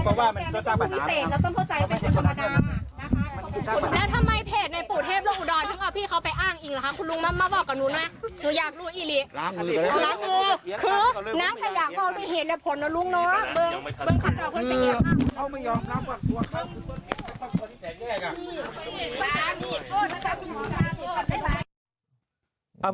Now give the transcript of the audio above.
เขาไม่ยอมรับว่าตัวเขาคุณพุทธเป็นคนที่แสดงแยก